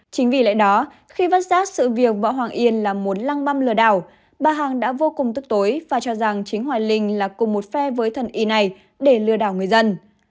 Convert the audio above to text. chính vì lẽ đó khi vớt rác sự việc võ hoàng yên là một lăng măm lừa đảo bà hằng đã vô cùng tức tối và cho rằng chính hoài linh là cùng một phe với thần y này để lừa đảo người dân